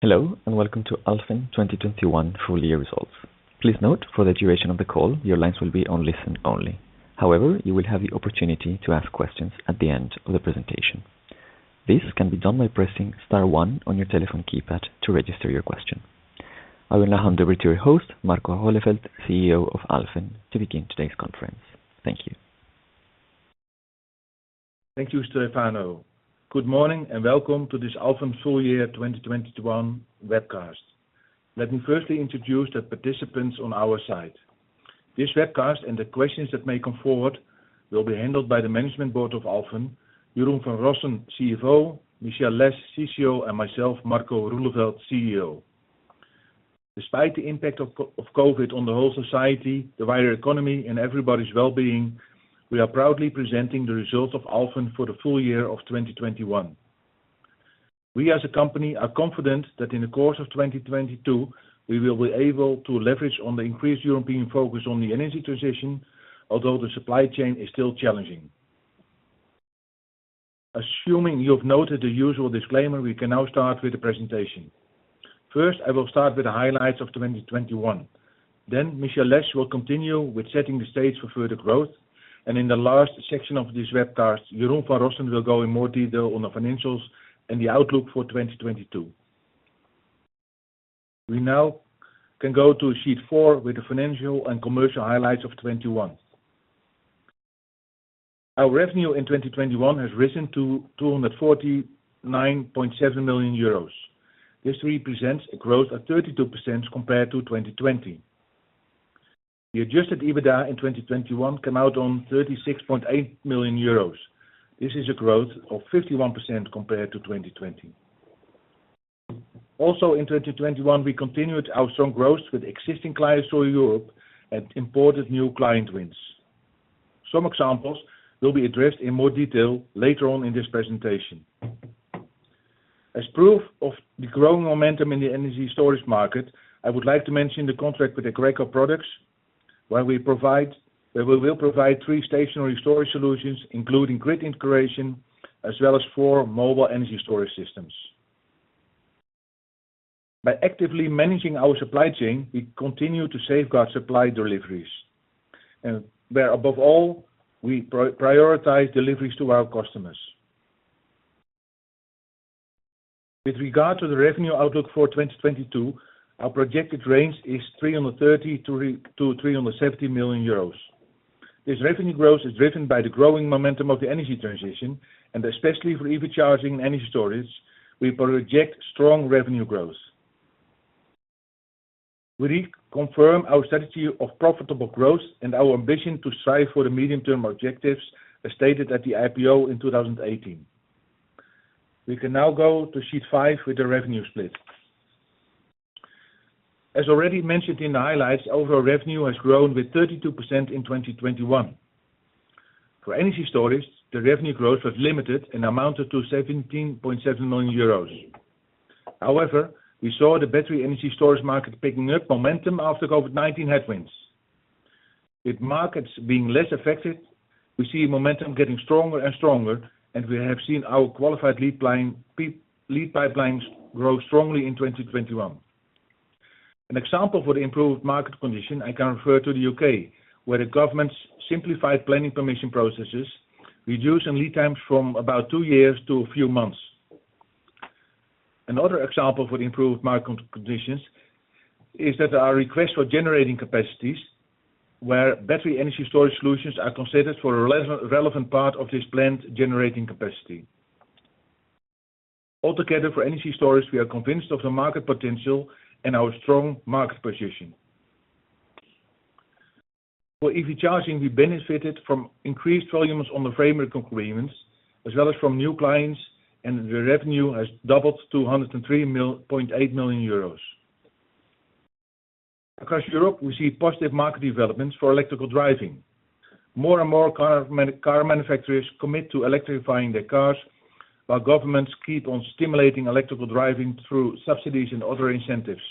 Hello and welcome to Alfen 2021 full year results. Please note for the duration of the call, your lines will be on listen only. However, you will have the opportunity to ask questions at the end of the presentation. This can be done by pressing star one on your telephone keypad to register your question. I will now hand over to your host, Marco Roeleveld, CEO of Alfen, to begin today's conference. Thank you. Thank you, Stefano. Good morning and welcome to this Alfen full year 2021 webcast. Let me firstly introduce the participants on our side. This webcast and the questions that may come forward will be handled by the management board of Alfen, Jeroen van Rossen, CFO, Michelle Lesh, CCO, and myself, Marco Roeleveld, CEO. Despite the impact of COVID on the whole society, the wider economy and everybody's well-being, we are proudly presenting the results of Alfen for the full year of 2021. We as a company are confident that in the course of 2022, we will be able to leverage on the increased European focus on the energy transition, although the supply chain is still challenging. Assuming you have noted the usual disclaimer, we can now start with the presentation. First, I will start with the highlights of 2021. Michelle Lesh will continue with setting the stage for further growth. In the last section of this webcast, Jeroen van Rossen will go in more detail on the financials and the outlook for 2022. We now can go to sheet 4 with the financial and commercial highlights of 2021. Our revenue in 2021 has risen to 249.7 million euros. This represents a growth of 32% compared to 2020. The adjusted EBITDA in 2021 came out on 36.8 million euros. This is a growth of 51% compared to 2020. Also in 2021, we continued our strong growth with existing clients throughout Europe and important new client wins. Some examples will be addressed in more detail later on in this presentation. As proof of the growing momentum in the energy storage market, I would like to mention the contract with Aggreko Products, where we will provide three stationary storage solutions, including grid integration, as well as four mobile energy storage systems. By actively managing our supply chain, we continue to safeguard supply deliveries. Where above all, we prioritize deliveries to our customers. With regard to the revenue outlook for 2022, our projected range is 330 million-370 million euros. This revenue growth is driven by the growing momentum of the energy transition and especially for EV charging and energy storage, we project strong revenue growth. We reconfirm our strategy of profitable growth and our ambition to strive for the medium-term objectives as stated at the IPO in 2018. We can now go to sheet five with the revenue split. As already mentioned in the highlights, overall revenue has grown with 32% in 2021. For energy storage, the revenue growth was limited and amounted to 17.7 million euros. However, we saw the battery energy storage market picking up momentum after COVID-19 headwinds. With markets being less affected, we see momentum getting stronger and stronger, and we have seen our qualified lead pipeline grow strongly in 2021. An example for the improved market condition, I can refer to the U.K., where the government's simplified planning permission processes reduced some lead times from about two years to a few months. Another example for the improved market conditions is that our request for generating capacities where battery energy storage solutions are considered for a relevant part of this plant's generating capacity. Altogether for energy storage, we are convinced of the market potential and our strong market position. For EV charging, we benefited from increased volumes on the framework agreements, as well as from new clients, and the revenue has doubled to 103.8 million euros. Across Europe, we see positive market developments for electric driving. More and more car manufacturers commit to electrifying their cars, while governments keep on stimulating electric driving through subsidies and other incentives.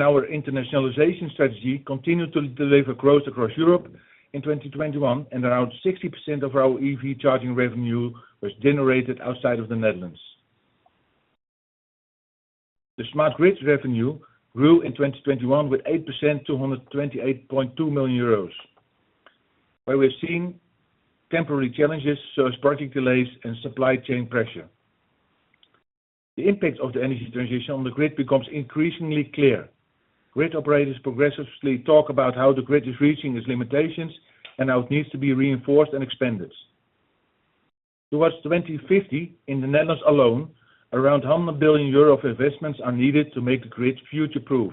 Our internationalization strategy continued to deliver growth across Europe in 2021, and around 60% of our EV charging revenue was generated outside of the Netherlands. The smart grid revenue grew in 2021 with 8% to 128.2 million euros, where we're seeing temporary challenges such as project delays and supply chain pressure. The impact of the energy transition on the grid becomes increasingly clear. Grid operators progressively talk about how the grid is reaching its limitations and how it needs to be reinforced and expanded. Towards 2050, in the Netherlands alone, around 100 billion euro of investments are needed to make the grid future-proof.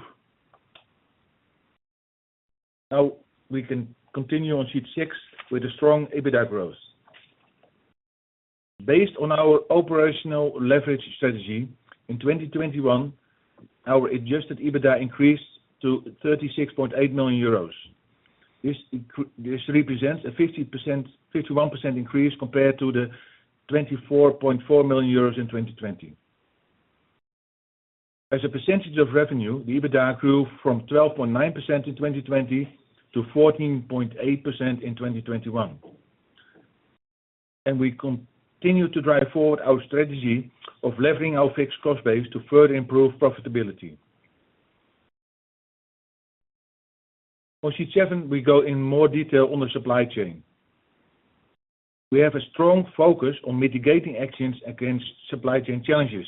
Now we can continue on sheet six with a strong EBITDA growth. Based on our operational leverage strategy, in 2021, our adjusted EBITDA increased to 36.8 million euros. This represents a 51% increase compared to the 24.4 million euros in 2020. As a percentage of revenue, the EBITDA grew from 12.9% in 2020 to 14.8% in 2021. We continue to drive forward our strategy of levering our fixed cost base to further improve profitability. On sheet seven, we go in more detail on the supply chain. We have a strong focus on mitigating actions against supply chain challenges.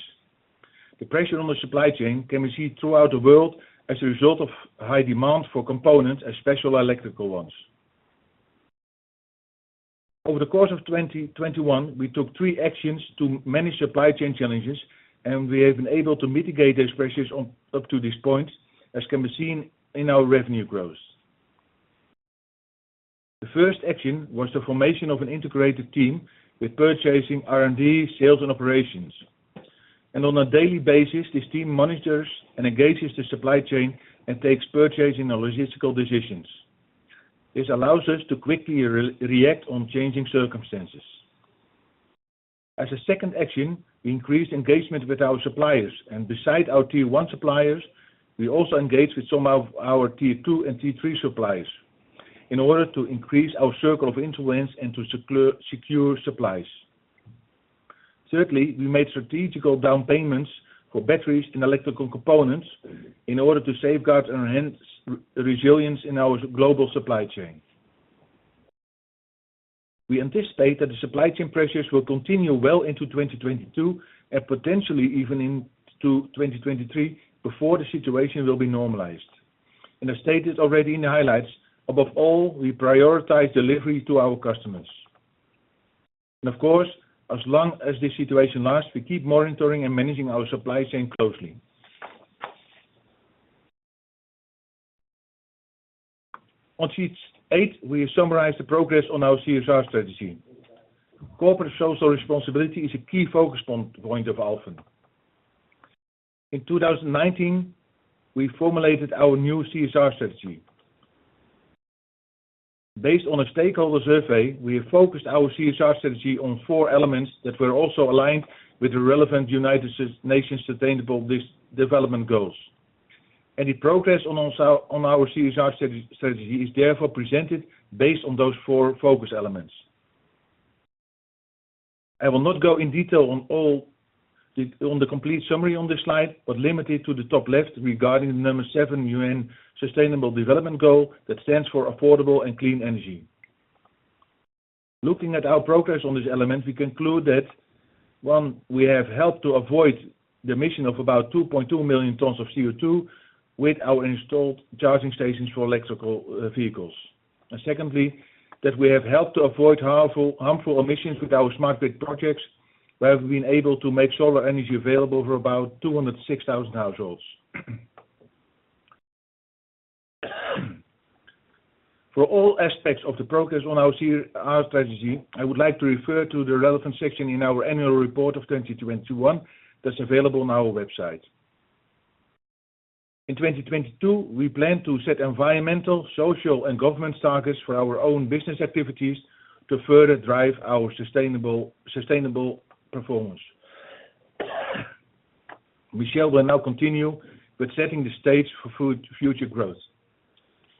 The pressure on the supply chain can be seen throughout the world as a result of high demand for components, especially electrical ones. Over the course of 2021, we took three actions to manage supply chain challenges, and we have been able to mitigate those pressures on up to this point, as can be seen in our revenue growth. The first action was the formation of an integrated team with purchasing R&D, sales, and operations. On a daily basis, this team monitors and engages the supply chain and takes purchasing and logistical decisions. This allows us to quickly react to changing circumstances. As a second action, we increased engagement with our suppliers, and besides our tier one suppliers, we also engaged with some of our tier two and tier three suppliers in order to increase our circle of influence and to secure supplies. Thirdly, we made strategic down payments for batteries and electrical components in order to safeguard and enhance resilience in our global supply chain. We anticipate that the supply chain pressures will continue well into 2022 and potentially even into 2023 before the situation will be normalized. As stated already in the highlights, above all, we prioritize delivery to our customers. Of course, as long as this situation lasts, we keep monitoring and managing our supply chain closely. On sheet 8, we summarize the progress on our CSR strategy. Corporate social responsibility is a key focus point of Alfen. In 2019, we formulated our new CSR strategy. Based on a stakeholder survey, we have focused our CSR strategy on four elements that were also aligned with the relevant United Nations sustainable development goals. The progress on our CSR strategy is therefore presented based on those four focus elements. I will not go in detail on the complete summary on this slide, but limit it to the top left regarding the 7 UN sustainable development goal that stands for affordable and clean energy. Looking at our progress on this element, we conclude that one, we have helped to avoid the emission of about 2.2 million tons of CO2 with our installed charging stations for electric vehicles. Secondly, that we have helped to avoid harmful emissions with our smart grid projects, where we've been able to make solar energy available for about 206,000 households. For all aspects of the progress on our CR, our strategy, I would like to refer to the relevant section in our annual report of 2021 that's available on our website. In 2022, we plan to set environmental, social, and governance targets for our own business activities to further drive our sustainable performance. Michelle will now continue with setting the stage for future growth.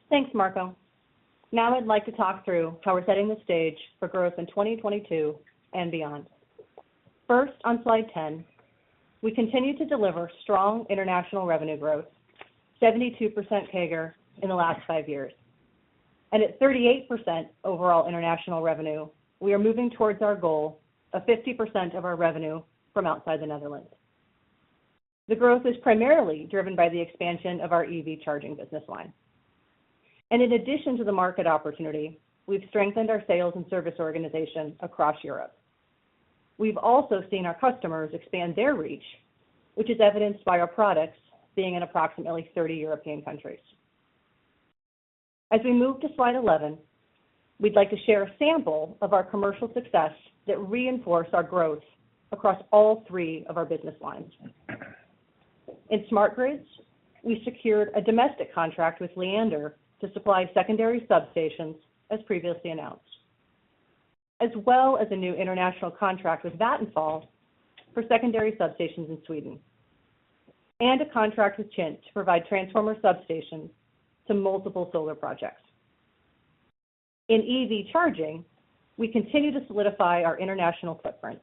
Thanks, Marco. Now I'd like to talk through how we're setting the stage for growth in 2022 and beyond. First, on slide 10, we continue to deliver strong international revenue growth, 72% CAGR in the last five years. At 38% overall international revenue, we are moving towards our goal of 50% of our revenue from outside the Netherlands. The growth is primarily driven by the expansion of our EV charging business line. In addition to the market opportunity, we've strengthened our sales and service organization across Europe. We've also seen our customers expand their reach, which is evidenced by our products being in approximately 30 European countries. As we move to slide 11, we'd like to share a sample of our commercial success that reinforce our growth across all three of our business lines. In smart grids, we secured a domestic contract with Liander to supply secondary substations, as previously announced, as well as a new international contract with Vattenfall for secondary substations in Sweden, and a contract with Chint to provide transformer substations to multiple solar projects. In EV charging, we continue to solidify our international footprint.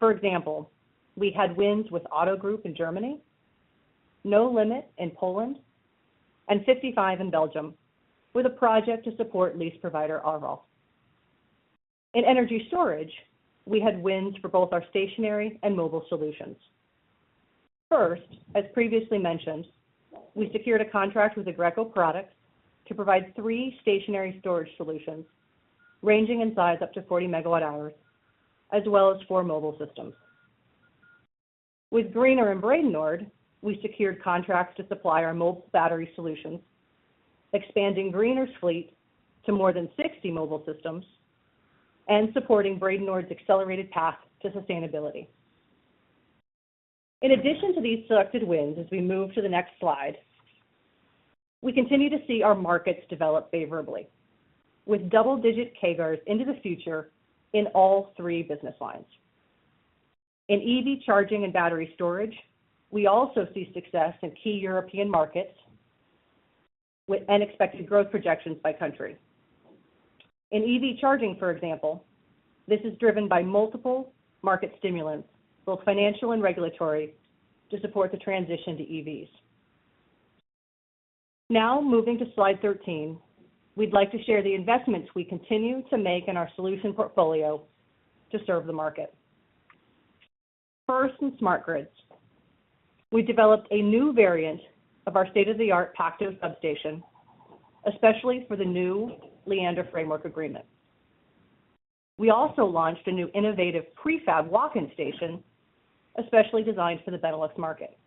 For example, we had wins with Auto Group in Germany, No limit in Poland, and Fifty-Five in Belgium with a project to support lease provider Arval. In energy storage, we had wins for both our stationary and mobile solutions. First, as previously mentioned, we secured a contract with Aggreko Products to provide three stationary storage solutions ranging in size up to 40 MWh, as well as four mobile systems. With Greener and Bredenoord, we secured contracts to supply our mobile battery solutions, expanding Greener's fleet to more than 60 mobile systems and supporting Bredenoord's accelerated path to sustainability. In addition to these selected wins, as we move to the next slide, we continue to see our markets develop favorably with double-digit CAGRs into the future in all three business lines. In EV charging and battery storage, we also see success in key European markets with unexpected growth projections by countries. In EV charging, for example, this is driven by multiple market stimulants, both financial and regulatory, to support the transition to EVs. Now moving to slide 13, we'd like to share the investments we continue to make in our solution portfolio to serve the market. First, in smart grids, we developed a new variant of our state-of-the-art active substation, especially for the new Liander framework agreement. We also launched a new innovative prefab walk-in station, especially designed for the Benelux market.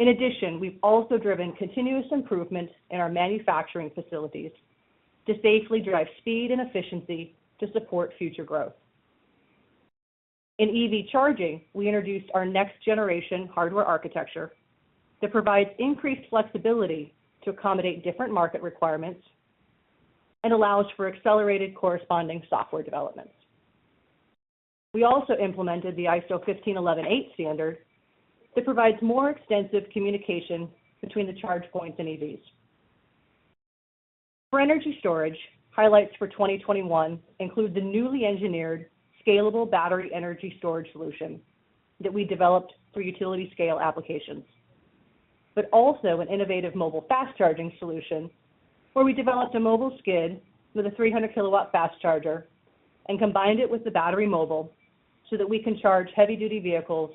In addition, we've also driven continuous improvement in our manufacturing facilities to safely drive speed and efficiency to support future growth. In EV charging, we introduced our next generation hardware architecture that provides increased flexibility to accommodate different market requirements and allows for accelerated corresponding software developments. We also implemented the ISO 15118 standard that provides more extensive communication between the charge points and EVs. For energy storage, highlights for 2021 include the newly engineered scalable battery energy storage solution that we developed for utility scale applications, but also an innovative mobile fast charging solution where we developed a mobile skid with a 300 kW fast charger and combined it with the battery mobile so that we can charge heavy-duty vehicles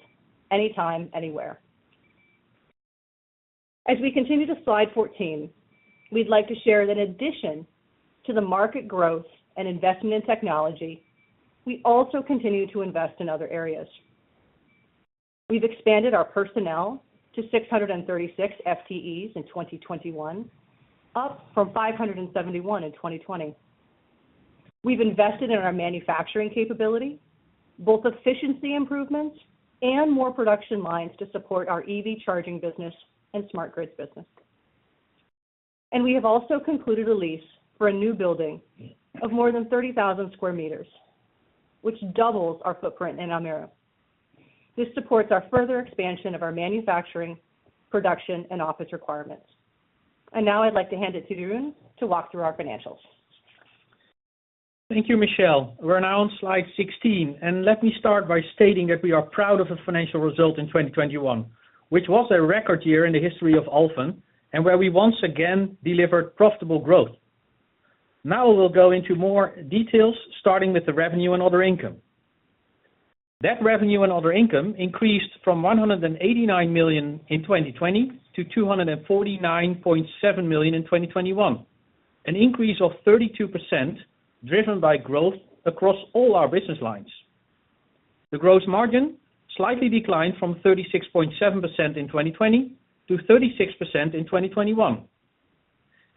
anytime, anywhere. As we continue to slide 14, we'd like to share that in addition to the market growth and investment in technology, we also continue to invest in other areas. We've expanded our personnel to 636 FTEs in 2021, up from 571 in 2020. We've invested in our manufacturing capability, both efficiency improvements and more production lines to support our EV charging business and smart grids business. We have also concluded a lease for a new building of more than 30,000 sq m, which doubles our footprint in Almere. This supports our further expansion of our manufacturing, production, and office requirements. Now I'd like to hand it to Jeroen to walk through our financials. Thank you, Michelle. We're now on slide 16, and let me start by stating that we are proud of the financial result in 2021, which was a record year in the history of Alfen and where we once again delivered profitable growth. Now we'll go into more details, starting with the revenue and other income. That revenue and other income increased from 189 million in 2020 to 249.7 million in 2021, an increase of 32% driven by growth across all our business lines. The gross margin slightly declined from 36.7% in 2020 to 36% in 2021.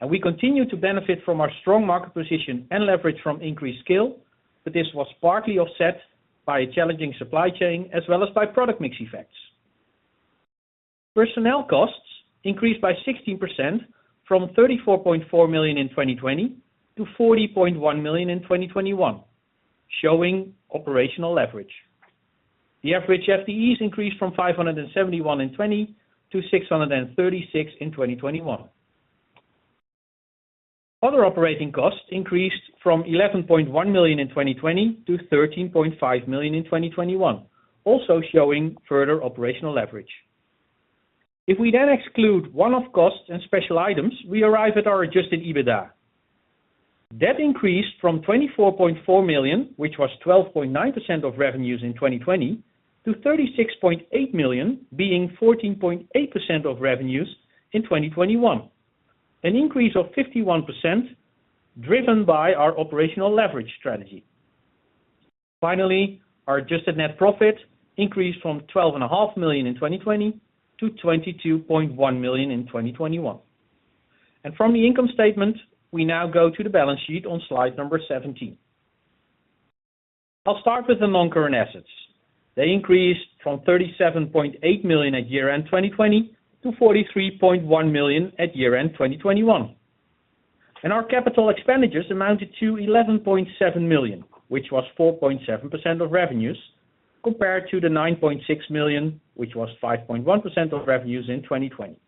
We continue to benefit from our strong market position and leverage from increased scale, but this was partly offset by a challenging supply chain as well as by product mix effects. Personnel costs increased by 16% from 34.4 million in 2020 to 40.1 million in 2021, showing operational leverage. The average FTEs increased from 571 in 2020 to 636 in 2021. Other operating costs increased from 11.1 million in 2020 to 13.5 million in 2021, also showing further operational leverage. If we then exclude one-off costs and special items, we arrive at our adjusted EBITDA. That increased from 24.4 million, which was 12.9% of revenues in 2020, to 36.8 million, being 14.8% of revenues in 2021. An increase of 51% driven by our operational leverage strategy. Finally, our adjusted net profit increased from 12.5 million in 2020 to 22.1 million in 2021. From the income statement, we now go to the balance sheet on slide 17. I'll start with the non-current assets. They increased from 37.8 million at year-end 2020 to 43.1 million at year-end 2021. Our capital expenditures amounted to 11.7 million, which was 4.7% of revenues, compared to the 9.6 million, which was 5.1% of revenues in 2020.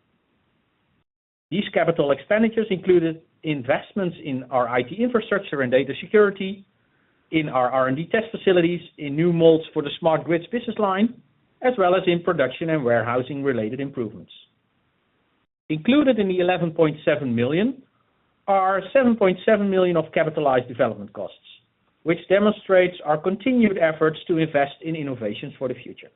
These capital expenditures included investments in our IT infrastructure and data security, in our R&D test facilities, in new molds for the smart grids business line, as well as in production and warehousing-related improvements. Included in the 11.7 million are 7.7 million of capitalized development costs, which demonstrates our continued efforts to invest in innovations for the future.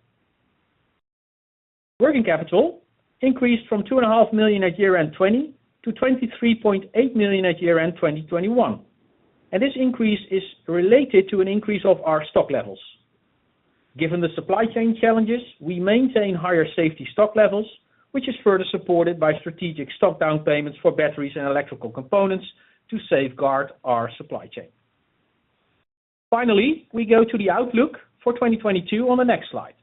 Working capital increased from 2.5 million at year-end 2020 to 23.8 million at year-end 2021. This increase is related to an increase of our stock levels. Given the supply chain challenges, we maintain higher safety stock levels, which is further supported by strategic stock down payments for batteries and electrical components to safeguard our supply chain. Finally, we go to the outlook for 2022 on the next slide.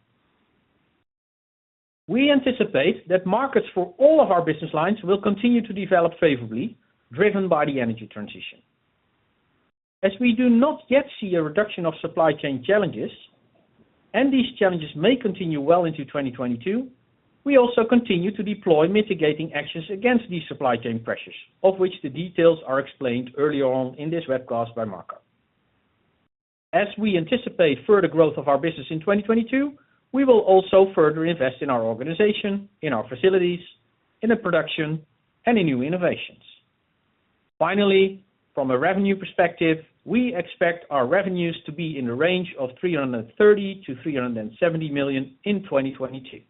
We anticipate that markets for all of our business lines will continue to develop favorably, driven by the energy transition. As we do not yet see a reduction of supply chain challenges, and these challenges may continue well into 2022, we also continue to deploy mitigating actions against these supply chain pressures, of which the details are explained earlier on in this webcast by Marco. As we anticipate further growth of our business in 2022, we will also further invest in our organization, in our facilities, in the production, and in new innovations. Finally, from a revenue perspective, we expect our revenues to be in the range of 330 million-370 million in 2022.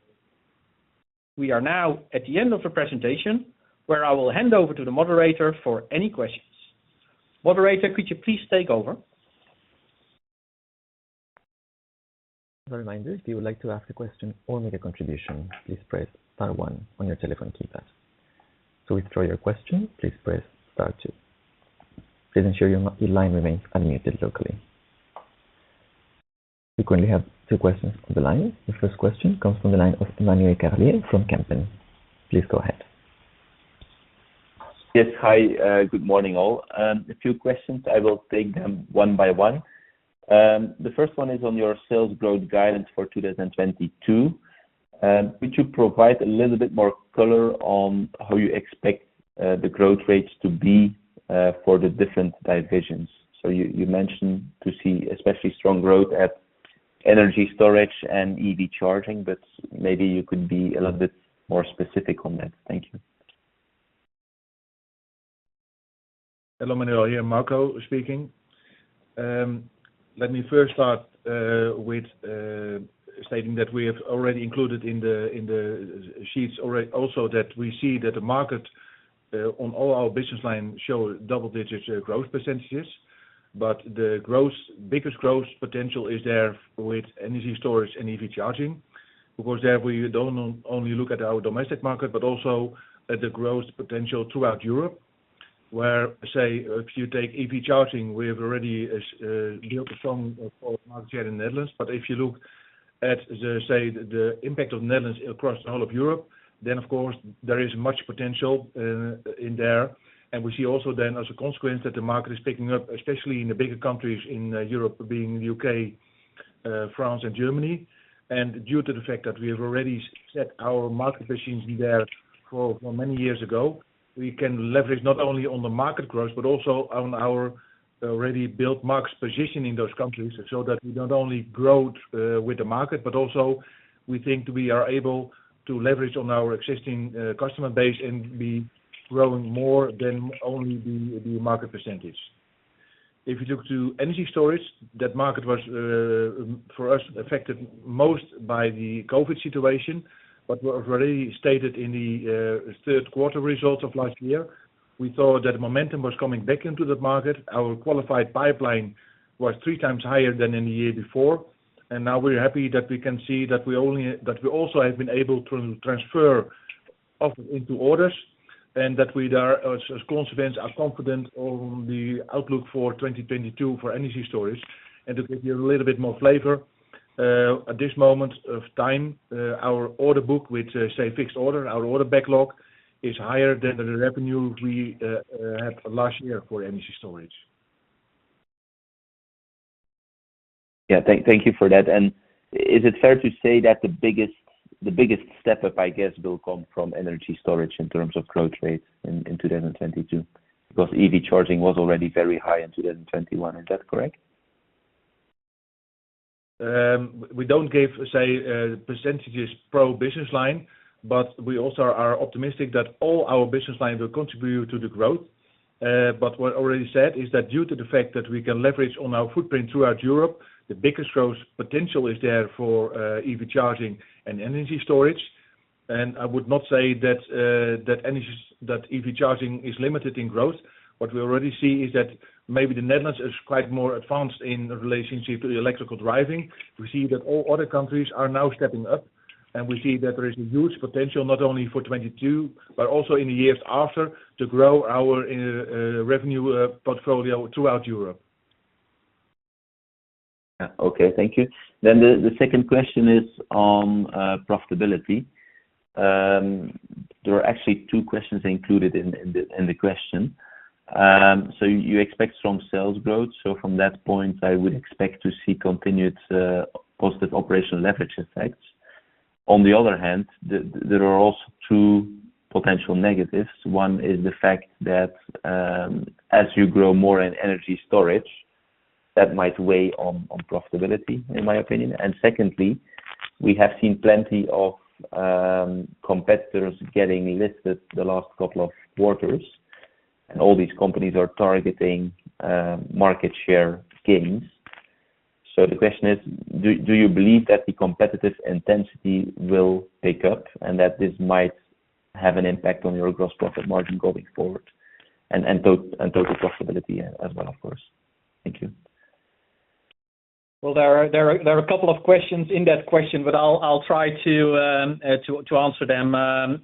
We are now at the end of the presentation, where I will hand over to the moderator for any questions. Moderator, could you please take over? As a reminder, if you would like to ask a question or make a contribution, please press star one on your telephone keypad. To withdraw your question, please press star two. Please ensure your line remains unmuted locally. We currently have two questions on the line. The first question comes from the line of Emmanuel Carlier from Kempen. Please go ahead. Yes. Hi, good morning all. A few questions. I will take them one by one. The first one is on your sales growth guidance for 2022. Could you provide a little bit more color on how you expect the growth rates to be for the different divisions? You mentioned we see especially strong growth at energy storage and EV charging, but maybe you could be a little bit more specific on that. Thank you. Hello, Emmanuel, here Marco speaking. Let me first start with stating that we have already included in the sheets also that we see that the market on all our business lines show double-digit growth percentages. The biggest growth potential is there with energy storage and EV charging. Because there we don't only look at our domestic market, but also at the growth potential throughout Europe. Where, say, if you take EV charging, we have already built a strong market share in the Netherlands. If you look at the, say, impact of the Netherlands across the whole of Europe, then of course there is much potential in there. We see also then as a consequence that the market is picking up, especially in the bigger countries in Europe, being U.K., France, and Germany. Due to the fact that we have already set our market positions there for many years ago, we can leverage not only on the market growth but also on our already built market position in those countries, so that we not only grow with the market, but also we think we are able to leverage on our existing customer base and be growing more than only the market percentage. If you look to energy storage, that market was for us affected most by the COVID situation. What was already stated in the third quarter results of last year, we saw that momentum was coming back into the market. Our qualified pipeline was three times higher than in the year before. Now we're happy that we can see that we only... that we also have been able to transfer off into orders and that we are as a consequence confident on the outlook for 2022 for energy storage. To give you a little bit more flavor, at this moment of time, our order book with, say, fixed order, our order backlog is higher than the revenue we had last year for energy storage. Yeah. Thank you for that. Is it fair to say that the biggest step-up, I guess, will come from energy storage in terms of growth rates in 2022? Because EV charging was already very high in 2021. Is that correct? We don't give, say, percentages per business line, but we also are optimistic that all our business lines will contribute to the growth. What I already said is that due to the fact that we can leverage on our footprint throughout Europe, the biggest growth potential is there for EV charging and energy storage. I would not say that EV charging is limited in growth. What we already see is that maybe the Netherlands is quite more advanced in relation to the electric driving. We see that all other countries are now stepping up, and we see that there is a huge potential not only for 2022, but also in the years after, to grow our revenue portfolio throughout Europe. Yeah. Okay. Thank you. The second question is on profitability. There are actually two questions included in the question. You expect strong sales growth, so from that point, I would expect to see continued positive operational leverage effects. On the other hand, there are also two potential negatives. One is the fact that as you grow more in energy storage, that might weigh on profitability, in my opinion. Secondly, we have seen plenty of competitors getting listed the last couple of quarters, and all these companies are targeting market share gains. The question is, do you believe that the competitive intensity will pick up, and that this might have an impact on your gross profit margin going forward, and total profitability as well, of course? Thank you. Well, there are a couple of questions in that question, but I'll try to answer them.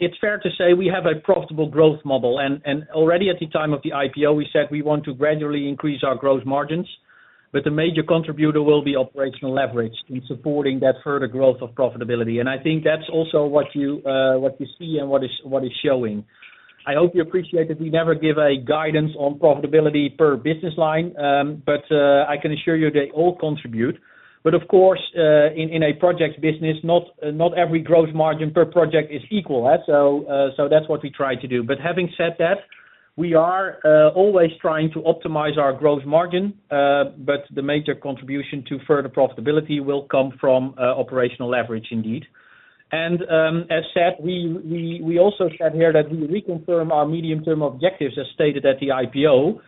It's fair to say we have a profitable growth model. Already at the time of the IPO, we said we want to gradually increase our gross margins. But the major contributor will be operational leverage in supporting that further growth of profitability. I think that's also what you see and what is showing. I hope you appreciate that we never give guidance on profitability per business line, but I can assure you they all contribute. But of course, in a project business, not every gross margin per project is equal. So that's what we try to do. Having said that, we are always trying to optimize our growth margin, but the major contribution to further profitability will come from operational leverage indeed. As said, we also said here that we reconfirm our medium-term objectives as stated at the IPO.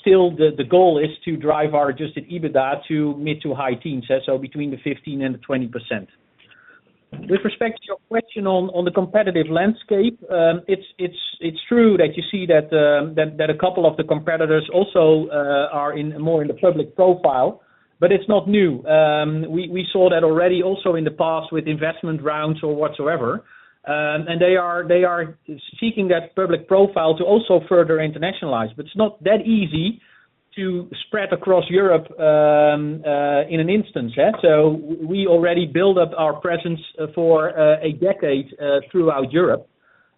Still the goal is to drive our adjusted EBITDA to mid- to high teens, so between 15%-20%. With respect to your question on the competitive landscape, it's true that you see that a couple of the competitors also are more in the public profile, but it's not new. We saw that already also in the past with investment rounds or whatsoever. They are seeking that public profile to also further internationalize. It's not that easy to spread across Europe in an instant. We already built up our presence for a decade throughout Europe.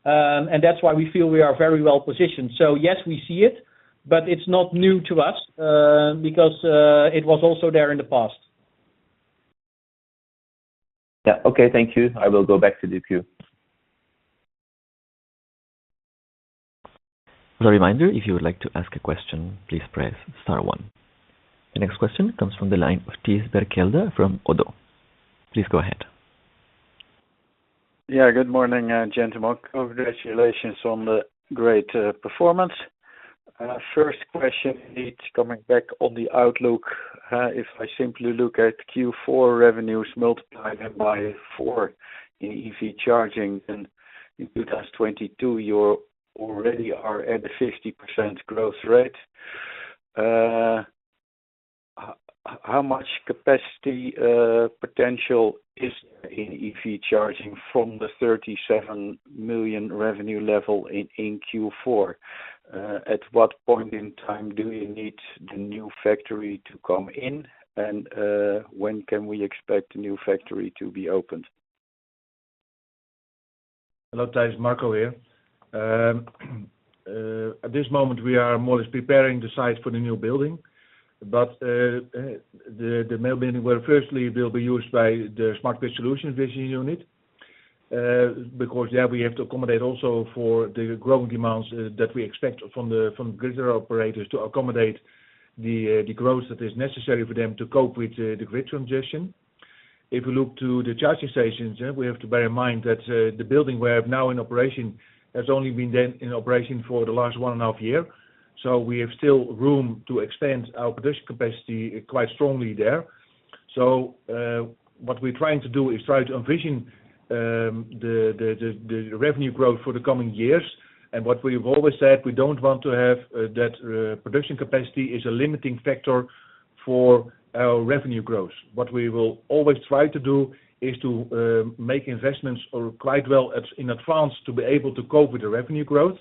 That's why we feel we are very well-positioned. Yes, we see it, but it's not new to us because it was also there in the past. Yeah. Okay. Thank you. I will go back to the queue. As a reminder, if you would like to ask a question, please press star one. The next question comes from the line of Thijs Berkelder from Oddo. Please go ahead. Yeah. Good morning, gentlemen. Congratulations on the great performance. First question is coming back on the outlook. If I simply look at Q4 revenues multiplied by four in EV charging, then in 2022, you already are at a 50% growth rate. How much capacity potential is in EV charging from the 37 million revenue level in Q4? At what point in time do you need the new factory to come in? When can we expect the new factory to be opened? Hello, Thijs. Marco here. At this moment, we are more or less preparing the site for the new building, but the new building will firstly be used by the smart grid solutions business unit. Because, yeah, we have to accommodate also for the growing demands that we expect from the grid operators to accommodate the growth that is necessary for them to cope with the grid transition. If you look to the charging stations, yeah, we have to bear in mind that the building we have now in operation has only been in operation for the last 1.5 years. We have still room to expand our production capacity quite strongly there. What we're trying to do is try to envision the revenue growth for the coming years. What we've always said, we don't want to have that production capacity is a limiting factor for our revenue growth. What we will always try to do is to make investments quite well in advance to be able to cope with the revenue growth.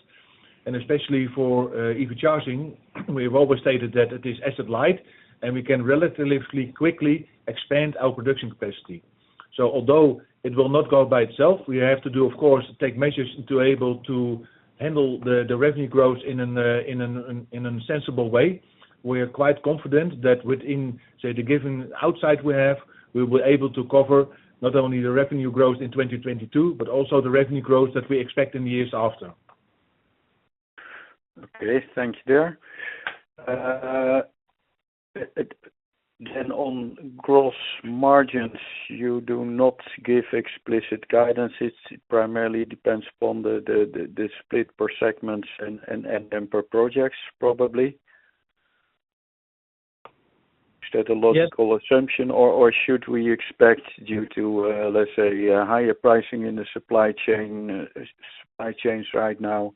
Especially for EV charging, we've always stated that it is asset light and we can relatively quickly expand our production capacity. Although it will not go by itself, we have to, of course, take measures to be able to handle the revenue growth in a sensible way. We are quite confident that within, say, the given outlook we have, we will be able to cover not only the revenue growth in 2022, but also the revenue growth that we expect in the years after. On gross margins, you do not give explicit guidance. It primarily depends upon the split per segments and per projects, probably. Is that a logical assumption, or should we expect due to, let's say, higher pricing in the supply chains right now,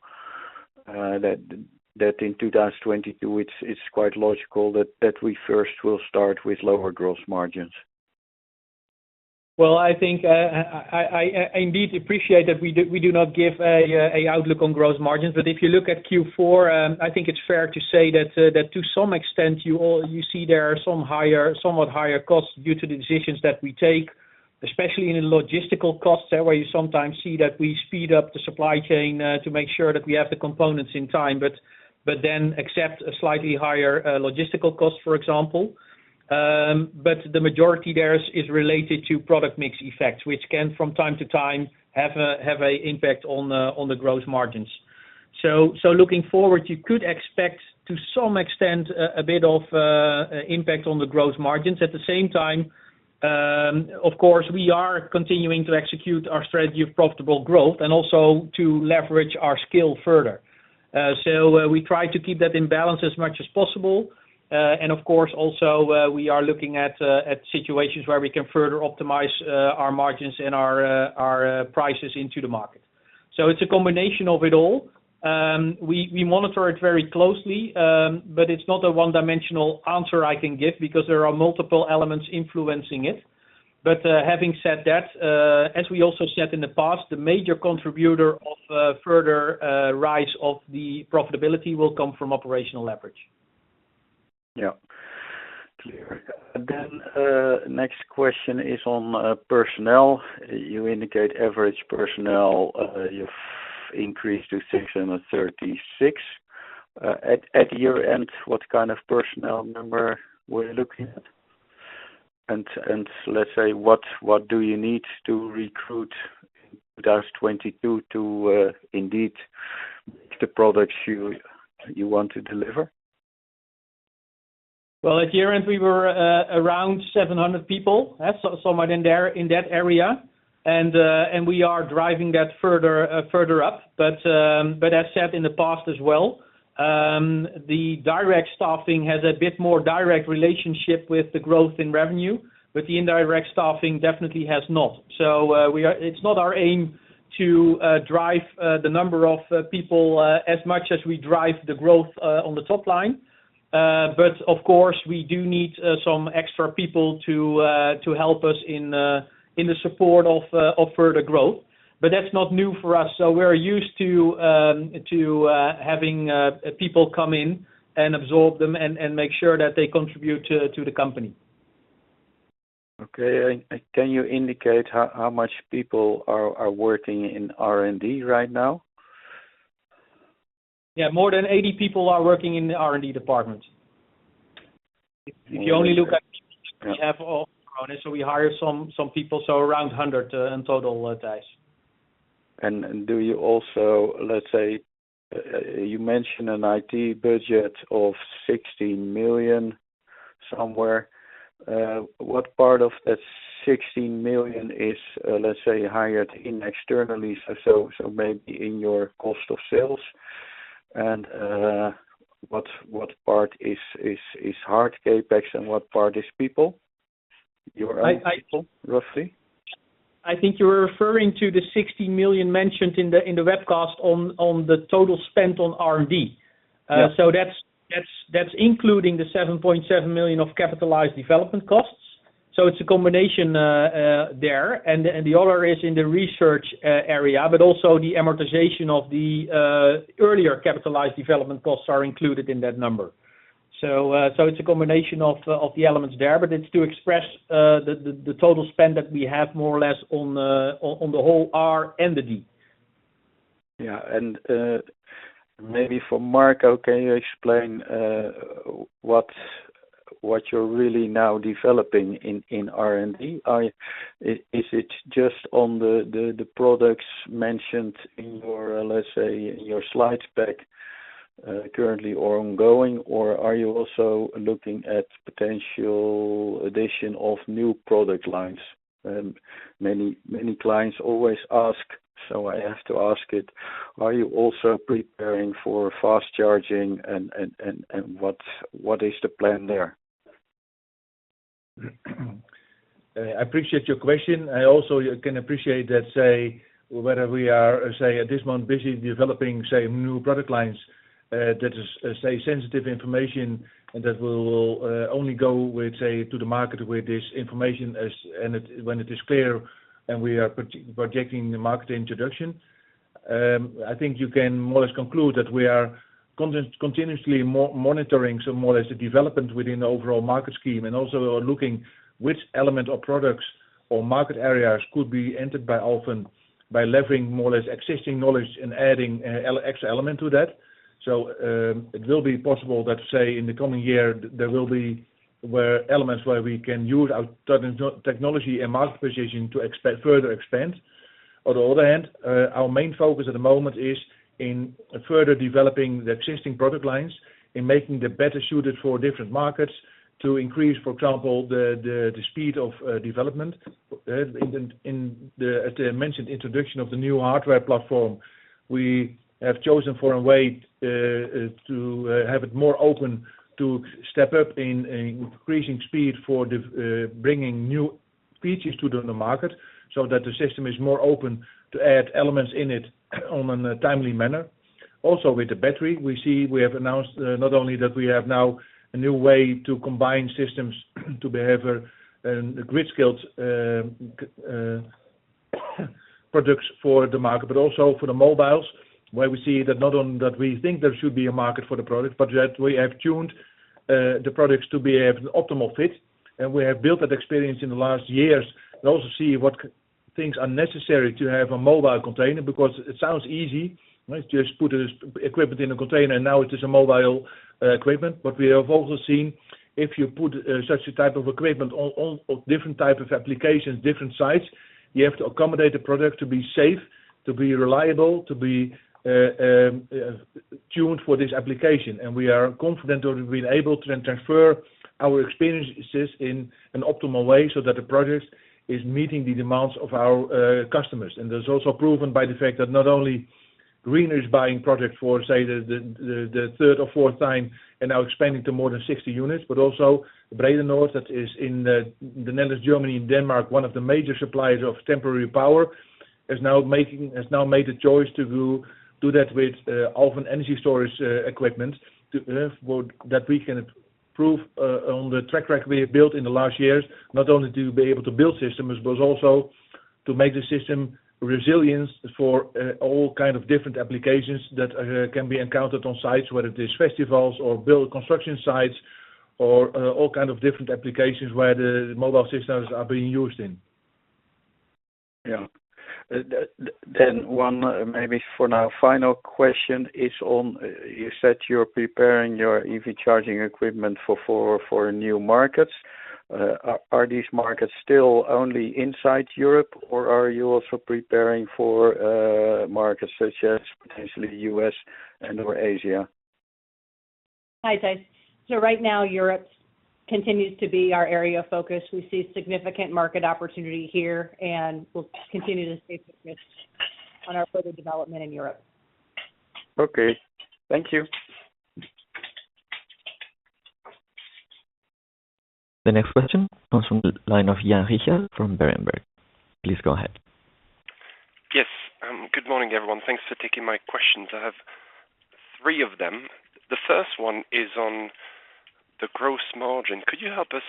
that in 2022, it's quite logical that we first will start with lower gross margins? Well, I think I indeed appreciate that we do not give an outlook on gross margins. If you look at Q4, I think it's fair to say that to some extent, you all see there are somewhat higher costs due to the decisions that we take, especially in the logistical costs, where you sometimes see that we speed up the supply chain to make sure that we have the components in time, but then accept a slightly higher logistical cost, for example. The majority there is related to product mix effects, which can from time to time have an impact on the gross margins. Looking forward, you could expect to some extent a bit of impact on the gross margins. At the same time, of course, we are continuing to execute our strategy of profitable growth and also to leverage our scale further. We try to keep that in balance as much as possible. Of course, also, we are looking at situations where we can further optimize our margins and our prices into the market. It's a combination of it all. We monitor it very closely, but it's not a one-dimensional answer I can give because there are multiple elements influencing it. Having said that, as we also said in the past, the major contributor of further rise of the profitability will come from operational leverage. Yeah. Clear. Next question is on personnel. You indicate average personnel you've increased to 636. At your end, what kind of personnel number were you looking at? And let's say, what do you need to recruit in 2022 to indeed make the products you want to deliver? Well, at year-end, we were around 700 people. Somewhere in there, in that area. We are driving that further up. As said in the past as well, the direct staffing has a bit more direct relationship with the growth in revenue, but the indirect staffing definitely has not. It's not our aim to drive the number of people as much as we drive the growth on the top line. Of course, we do need some extra people to help us in the support of further growth. That's not new for us, so we're used to having people come in and absorb them and make sure that they contribute to the company. Okay. Can you indicate how many people are working in R&D right now? Yeah. More than 80 people are working in the R&D department. If you only look at- Yeah. We have all grown, so we hire some people, so around 100 in total, Thijs. Do you also, let's say, you mentioned an IT budget of 60 million somewhere. What part of that 60 million is, let's say, hired in externally, so, maybe in your cost of sales? What part is hard CapEx and what part is people? Your own people, roughly. I think you're referring to the 60 million mentioned in the webcast on the total spent on R&D. Yeah. That's including the 7.7 million of capitalized development costs. It's a combination there, and the other is in the research area. Also the amortization of the earlier capitalized development costs are included in that number. It's a combination of the elements there, but it's to express the total spend that we have more or less on the whole R&D. Yeah. Maybe for Marco, can you explain what you're really now developing in R&D? Is it just on the products mentioned in your, let's say, in your slide deck currently or ongoing, or are you also looking at potential addition of new product lines? Many clients always ask, so I have to ask it. Are you also preparing for fast charging and what is the plan there? I appreciate your question. I also, you can appreciate that, whether we are at this moment busy developing new product lines, that is sensitive information and that we'll only go to the market with this information when it is clear and we are projecting the market introduction. I think you can more or less conclude that we are continuously monitoring the development within the overall market scheme, and also looking which element or products or market areas could be entered by Alfen by leveraging more or less existing knowledge and adding extra element to that. It will be possible that, in the coming year, there will be elements where we can use our technology and market position to further expand. On the other hand, our main focus at the moment is in further developing the existing product lines, in making them better suited for different markets to increase, for example, the speed of development. In the, as I mentioned, introduction of the new hardware platform, we have chosen for a way to have it more open to step up in increasing speed for the bringing new features to the market, so that the system is more open to add elements in it on a timely manner. Also, with the battery, we see we have announced not only that we have now a new way to combine systems to behave grid-scale products for the market, but also for the mobiles, where we see that not only that we think there should be a market for the product, but that we have tuned the products to be an optimal fit. We have built that experience in the last years, and we also see what things are necessary to have a mobile container, because it sounds easy, right? Just put this equipment in a container and now it is a mobile equipment. We have also seen if you put such a type of equipment on different type of applications, different sites, you have to accommodate the product to be safe, to be reliable, to be tuned for this application. We are confident that we've been able to then transfer our experiences in an optimal way so that the product is meeting the demands of our customers. That's also proven by the fact that not only Greener is buying product for, say, the third or fourth time and now expanding to more than 60 units, but also Bredenoord, that is in the Netherlands, Germany, and Denmark, one of the major suppliers of temporary power. has now made a choice to do that with Alfen energy storage equipment, well, that we can improve on the track record we built in the last years, not only to be able to build systems, but also to make the system resilient for all kind of different applications that can be encountered on sites, whether it is festivals or build construction sites or all kind of different applications where the mobile systems are being used in. The one maybe for now, final question is on you said you're preparing your EV charging equipment for new markets. Are these markets still only inside Europe, or are you also preparing for markets such as potentially U.S. and or Asia? Hi, Thijs. Right now, Europe continues to be our area of focus. We see significant market opportunity here, and we'll continue to stay focused on our further development in Europe. Okay. Thank you. The next question comes from the line of Jan Richter from Berenberg. Please go ahead. Yes. Good morning, everyone. Thanks for taking my questions. I have three of them. The first one is on the gross margin. Could you help us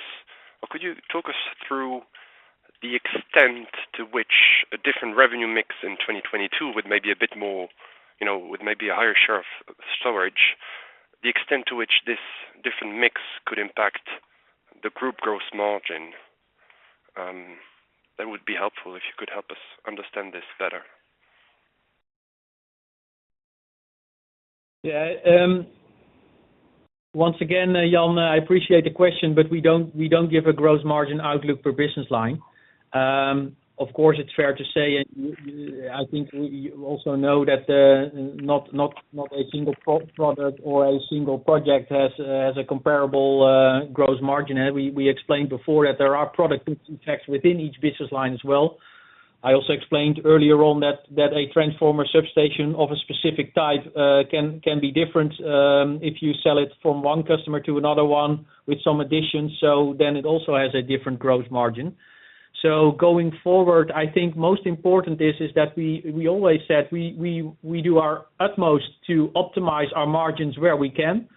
or could you talk us through the extent to which a different revenue mix in 2022 with maybe a bit more, you know, with maybe a higher share of storage, the extent to which this different mix could impact the group gross margin? That would be helpful if you could help us understand this better. Yeah. Once again, Jan, I appreciate the question, but we don't give a gross margin outlook per business line. Of course, it's fair to say, and I think we also know that not a single product or a single project has a comparable gross margin. As we explained before that there are product mix effects within each business line as well. I also explained earlier on that a transformer substation of a specific type can be different if you sell it from one customer to another one with some additions. It also has a different gross margin. Going forward, I think most important is that we always said we do our utmost to optimize our margins where we can,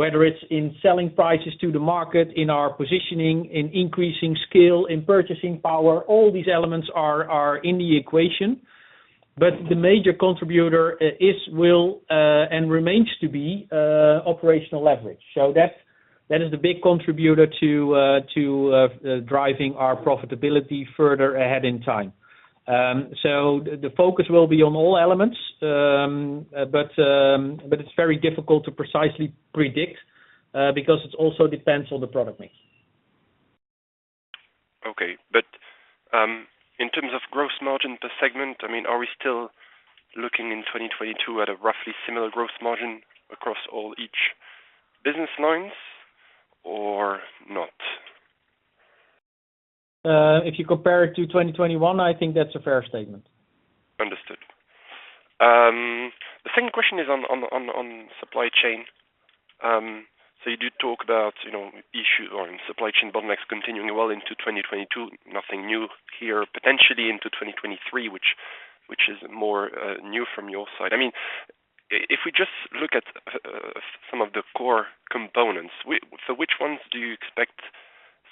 whether it's in selling prices to the market, in our positioning, in increasing scale, in purchasing power, all these elements are in the equation. But the major contributor is, will, and remains to be operational leverage. That is the big contributor to driving our profitability further ahead in time. The focus will be on all elements. But it's very difficult to precisely predict because it also depends on the product mix. In terms of gross margin per segment, I mean, are we still looking in 2022 at a roughly similar gross margin across all each business lines or not? If you compare it to 2021, I think that's a fair statement. Understood. The second question is on supply chain. You do talk about, you know, issues or supply chain bottlenecks continuing well into 2022, nothing new here, potentially into 2023, which is more new from your side. I mean, if we just look at some of the core components, which ones do you expect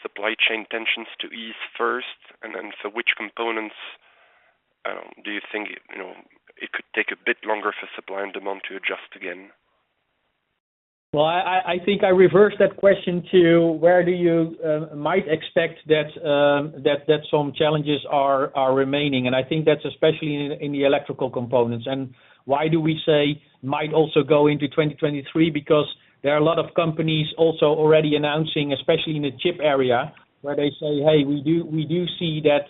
supply chain tensions to ease first? Then which components do you think, you know, it could take a bit longer for supply and demand to adjust again? Well, I think I reversed that question to where do you might expect that some challenges are remaining. I think that's especially in the electrical components. Why do we say might also go into 2023? Because there are a lot of companies also already announcing, especially in the chip area, where they say, "Hey, we do see that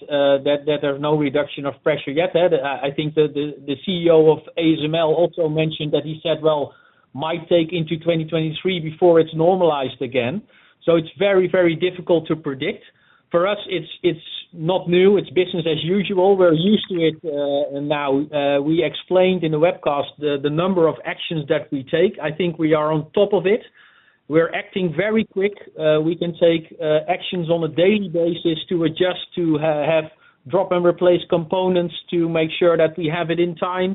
there's no reduction of pressure yet." I think the CEO of ASML also mentioned that he said, "Well, might take into 2023 before it's normalized again." It's very difficult to predict. For us, it's not new. It's business as usual. We're used to it now. We explained in the webcast the number of actions that we take. I think we are on top of it. We're acting very quick. We can take actions on a daily basis to adjust to have drop and replace components to make sure that we have it in time,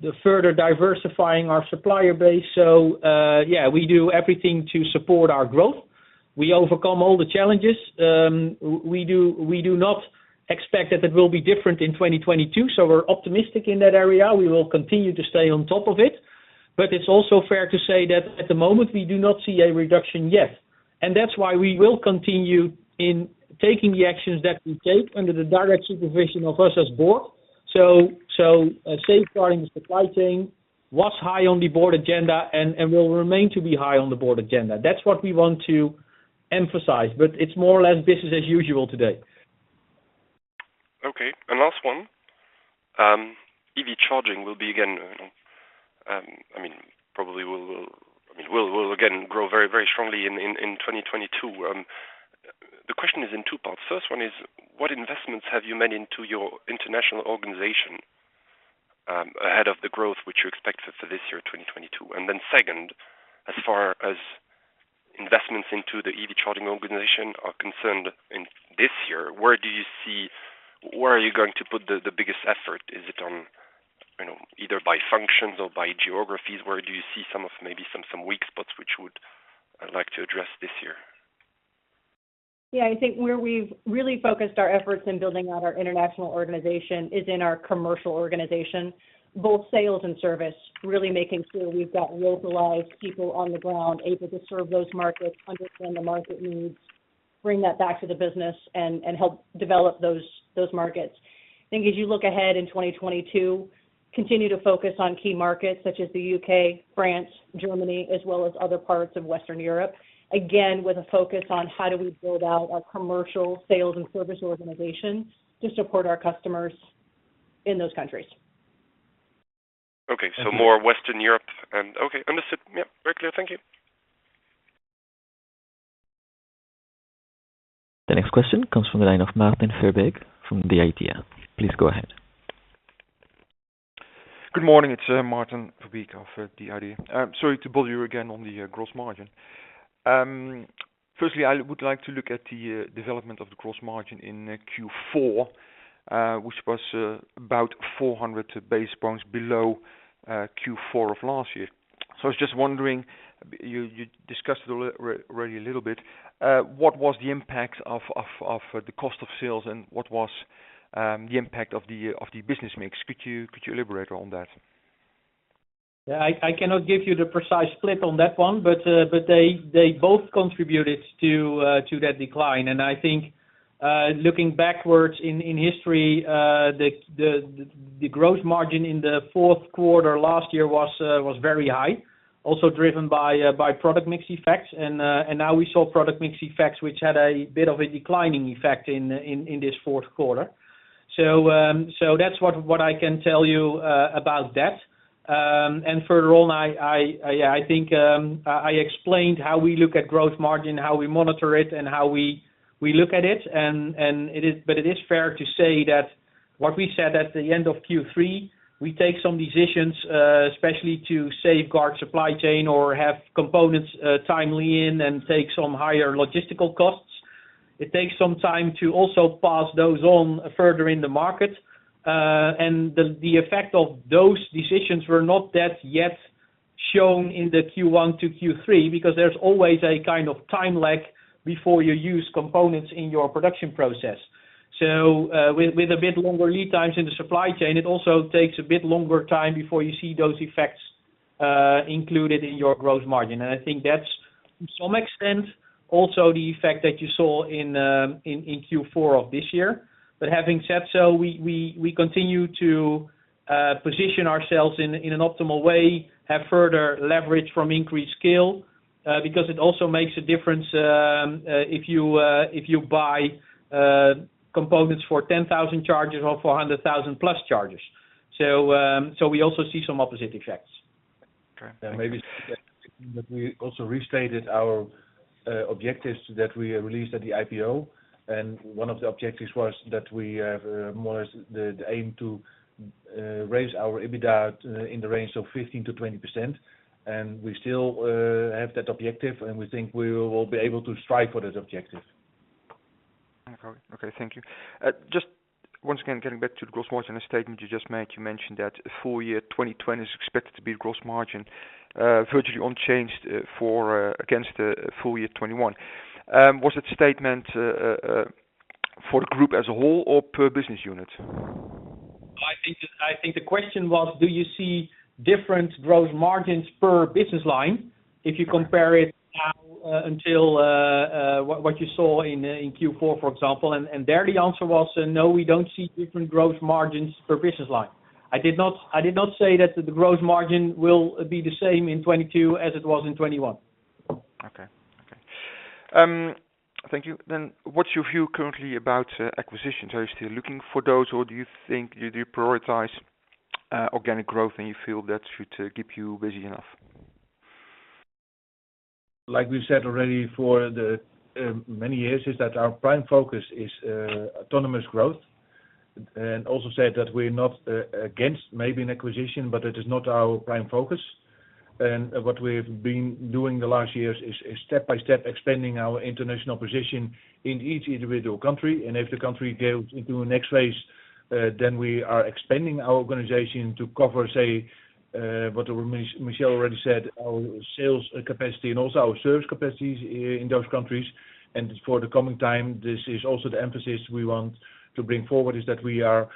the further diversifying our supplier base. Yeah, we do everything to support our growth. We overcome all the challenges. We do not expect that it will be different in 2022, so we're optimistic in that area. We will continue to stay on top of it. It's also fair to say that at the moment, we do not see a reduction yet. That's why we will continue in taking the actions that we take under the direct supervision of us as Board. Safeguarding the supply chain was high on the Board agenda and will remain to be high on the Board agenda. That's what we want to emphasize. It's more or less business as usual today. Okay. Last one. EV charging will again grow very, very strongly in 2022. The question is in two parts. First one is, what investments have you made into your international organization ahead of the growth, which you expected for this year, 2022. Then second, as far as investments into the EV charging organization are concerned in this year, where are you going to put the biggest effort? Is it on either by functions or by geographies, where do you see some weak spots which you would like to address this year? Yeah, I think where we've really focused our efforts in building out our international organization is in our commercial organization, both sales and service, really making sure we've got localized people on the ground able to serve those markets, understand the market needs, bring that back to the business and help develop those markets. I think as you look ahead in 2022, continue to focus on key markets such as the U.K., France, Germany, as well as other parts of Western Europe. Again, with a focus on how do we build out our commercial sales and service organization to support our customers in those countries. Okay. Understood. Yep. Very clear. Thank you. The next question comes from the line of Maarten Verbeek from the IDEA!. Please go ahead. Good morning. It's Maarten Verbeek of the IDEA!. Sorry to bother you again on the gross margin. Firstly, I would like to look at the development of the gross margin in Q4, which was about 400 basis points below Q4 of last year. I was just wondering, you discussed it really a little bit. What was the impact of the cost of sales, and what was the impact of the business mix? Could you elaborate on that? Yeah, I cannot give you the precise split on that one, but they both contributed to that decline. I think, looking backwards in history, the gross margin in the fourth quarter last year was very high, also driven by product mix effects. Now we saw product mix effects which had a bit of a declining effect in this fourth quarter. That's what I can tell you about that. Furthermore, I think I explained how we look at gross margin, how we monitor it, and how we look at it. It is. It is fair to say that what we said at the end of Q3, we take some decisions, especially to safeguard supply chain or have components, timely in and take some higher logistical costs. It takes some time to also pass those on further in the market. The effect of those decisions were not that yet shown in the Q1 to Q3, because there's always a kind of time lag before you use components in your production process. With a bit longer lead times in the supply chain, it also takes a bit longer time before you see those effects, included in your gross margin. I think that's to some extent also the effect that you saw in Q4 of this year. Having said so, we continue to position ourselves in an optimal way, have further leverage from increased scale, because it also makes a difference, if you buy components for 10,000 charges or for 100,000 plus charges. We also see some opposite effects. Okay. Maybe we also restated our objectives that we released at the IPO. One of the objectives was that we have more or less the aim to raise our EBITDA in the range of 15%-20%. We still have that objective, and we think we will be able to strive for that objective. Okay. Thank you. Just once again, getting back to the gross margin statement you just made, you mentioned that full year 2020 is expected to be gross margin virtually unchanged against the full year 2021. Was that statement for the group as a whole or per business unit? I think the question was, do you see different growth margins per business line? Correct. If you compare it now until what you saw in Q4, for example. There the answer was no, we don't see different growth margins per business line. I did not say that the growth margin will be the same in 2022 as it was in 2021. Thank you. What's your view currently about acquisitions? Are you still looking for those, or do you think you deprioritize organic growth, and you feel that should keep you busy enough? Like we said already for the many years, is that our prime focus is autonomous growth. We also said that we're not against maybe an acquisition, but it is not our prime focus. What we've been doing the last years is step by step expanding our international position in each individual country. If the country goes into next phase, then we are expanding our organization to cover, say, what Michelle already said, our sales capacity and also our service capacities in those countries. For the coming time, this is also the emphasis we want to bring forward, is that we are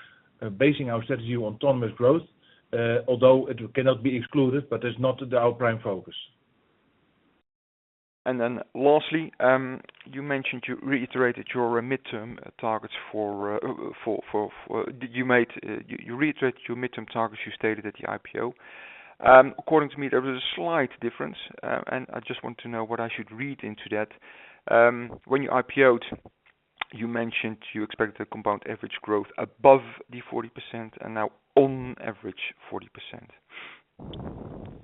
basing our strategy on autonomous growth, although it cannot be excluded, but it's not our prime focus. Lastly, you mentioned you reiterated your midterm targets you stated at the IPO. According to me, there was a slight difference, and I just want to know what I should read into that. When you IPO'd, you mentioned you expected a compound average growth above 40% and now on average 40%.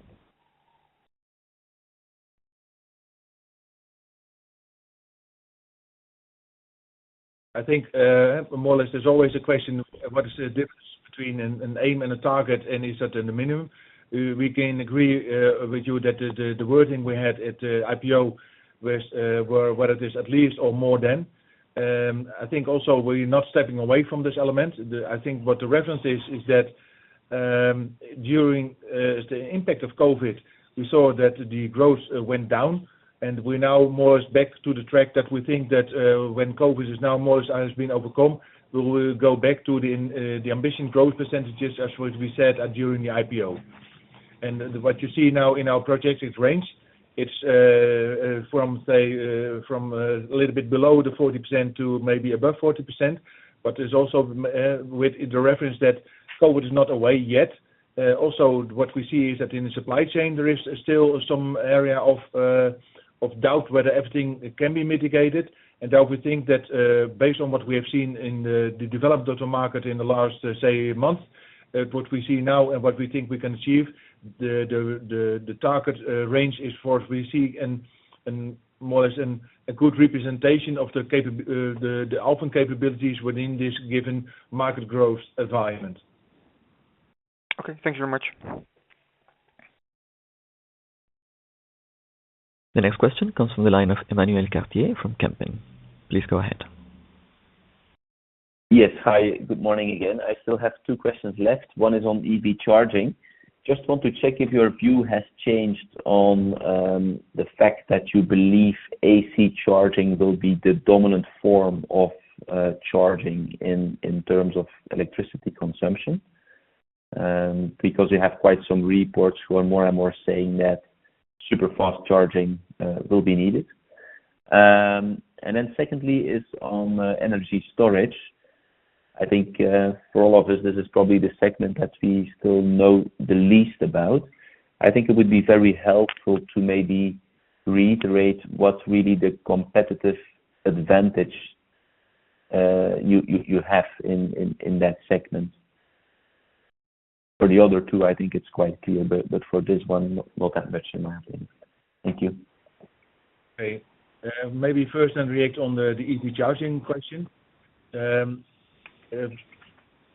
I think, more or less, there's always a question of what is the difference between an aim and a target, and is that in the minimum. We can agree with you that the wording we had at IPO was whether it is at least or more than. I think also we're not stepping away from this element. I think what the reference is that during the impact of COVID, we saw that the growth went down, and we're now more or less back to the track that we think that when COVID now more or less has been overcome, we will go back to the ambition growth percentages as what we said during the IPO. What you see now in our projected range, it's from a little bit below 40% to maybe above 40%. There's also with the reference that COVID is not away yet. Also what we see is that in the supply chain, there is still some area of doubt whether everything can be mitigated. That we think that based on what we have seen in the developed auto market in the last, say, month, what we see now and what we think we can achieve, the target range is, we see a more or less good representation of the Alfen capabilities within this given market growth environment. Okay, thank you very much. The next question comes from the line of Emmanuel Carlier from Kempen. Please go ahead. Yes. Hi, good morning again. I still have two questions left. One is on EV charging. Just want to check if your view has changed on the fact that you believe AC charging will be the dominant form of charging in terms of electricity consumption because you have quite some reports who are more and more saying that super fast charging will be needed. Secondly is on energy storage. I think for all of us, this is probably the segment that we still know the least about. I think it would be very helpful to maybe reiterate what's really the competitive advantage you have in that segment. For the other two, I think it's quite clear, but for this one not that much in my opinion. Thank you. Okay. Maybe first I'll react on the EV charging question. When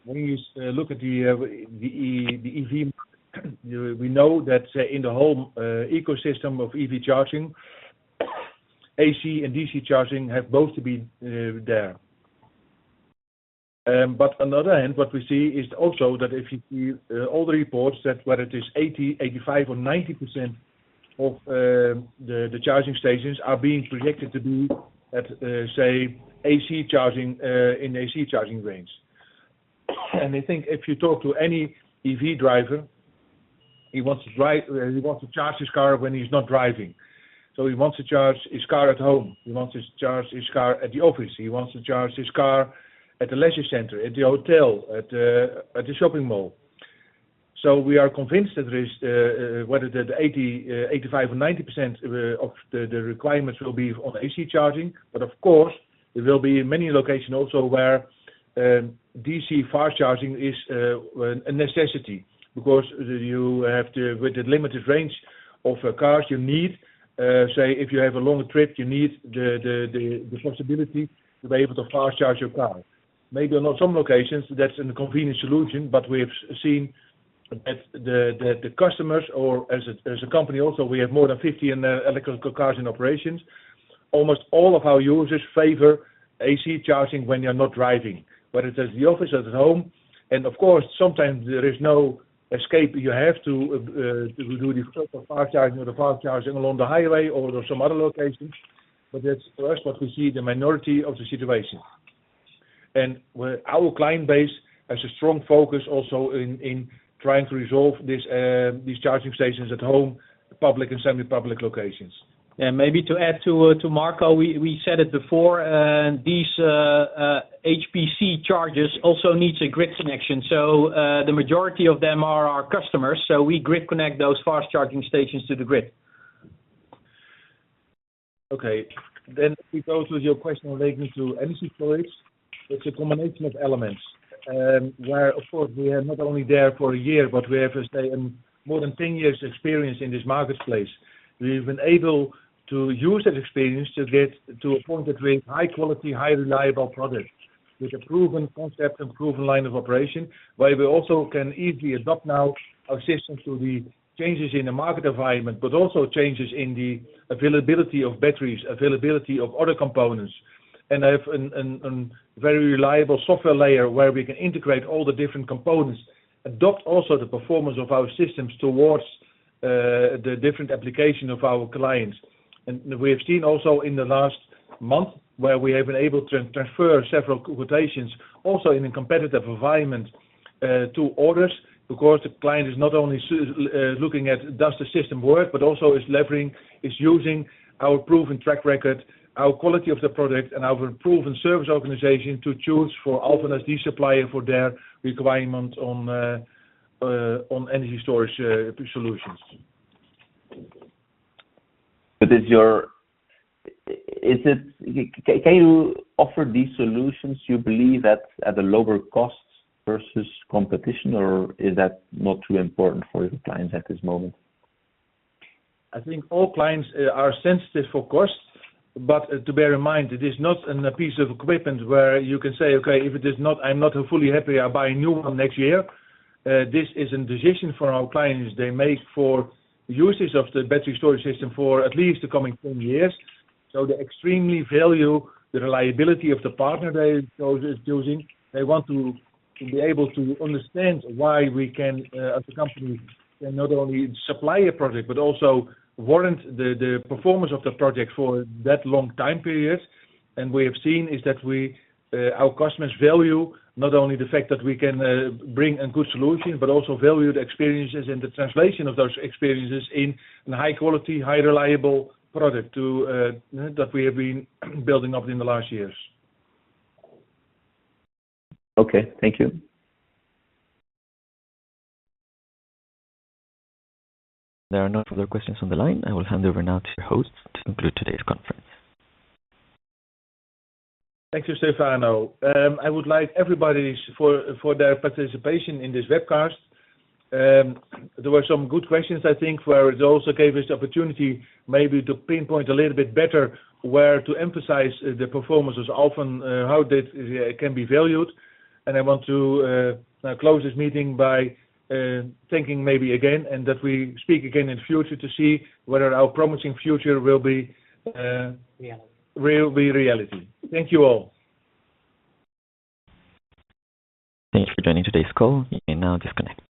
you look at the EV, we know that in the whole ecosystem of EV charging, AC and DC charging have both to be there. But on the other hand, what we see is also that if you all the reports that whether it is 80, 85 or 90% of the charging stations are being projected to be at, say, AC charging, in AC charging range. I think if you talk to any EV driver, he wants to charge his car when he's not driving. He wants to charge his car at home. He wants to charge his car at the office. He wants to charge his car at the leisure center, at the hotel, at the shopping mall. We are convinced that 85 or 90% of the requirements will be on AC charging. Of course, there will be many locations also where DC fast charging is a necessity because with the limited range of cars you need, say, if you have a longer trip, you need the flexibility to be able to fast charge your car. Maybe on some locations that's a convenient solution, but we have seen at the customers or as a company also, we have more than 50 electric cars in operations. Almost all of our users favor AC charging when you're not driving, whether it's at the office, at home. Of course, sometimes there is no escape. You have to do the fast charging along the highway or some other locations. That's for us what we see the minority of the situation. Where our client base has a strong focus also in trying to resolve this, these charging stations at home, public and semi-public locations. Yeah, maybe to add to Marco, we said it before, and these HPC chargers also needs a grid connection. The majority of them are our customers, so we grid connect those fast charging stations to the grid. Okay. We go to your question relating to energy storage. It's a combination of elements. Where of course, we are not only there for a year, but we have, say, more than 10 years experience in this marketplace. We've been able to use that experience to get to a point that we have high quality, highly reliable products with a proven concept and proven line of operation, where we also can easily adapt now our systems to the changes in the market environment, but also changes in the availability of batteries, availability of other components. We have a very reliable software layer where we can integrate all the different components, adapt also the performance of our systems towards the different application of our clients. We have seen also in the last month where we have been able to transfer several quotations also in a competitive environment to orders. Because the client is not only looking at does the system work, but also is leveraging, is using our proven track record, our quality of the product and our proven service organization to choose for Alfen as the supplier for their requirement on on energy storage solutions. Can you offer these solutions you believe at a lower cost versus competition, or is that not too important for your clients at this moment? I think all clients are sensitive for cost. To bear in mind, it is not a piece of equipment where you can say, okay, if it is not, I'm not fully happy, I'll buy a new one next year. This is a decision for our clients they make for uses of the battery storage system for at least the coming 10 years. They extremely value the reliability of the partner they're choosing. They want to be able to understand why we can as a company can not only supply a project, but also warrant the performance of the project for that long time period. What we have seen is that our customers value not only the fact that we can bring a good solution, but also value the experiences and the translation of those experiences in a high quality, highly reliable product, you know, that we have been building up in the last years. Okay. Thank you. There are no further questions on the line. I will hand over now to your host to conclude today's conference. Thank you, Stefano. I would like everybody's for their participation in this webcast. There were some good questions I think, where it also gave us the opportunity maybe to pinpoint a little bit better where to emphasize the performances of Alfen, how this can be valued. I want to close this meeting by thinking maybe again and that we speak again in future to see whether our promising future will be. Reality. Will be reality. Thank you all. Thank you for joining today's call. You may now disconnect.